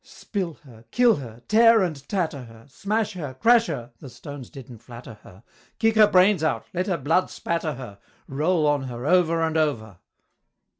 Spill her! kill her! tear and tatter her! Smash her! crash her!" (the stones didn't flatter her!) "Kick her brains out! let her blood spatter her! Roll on her over and over!"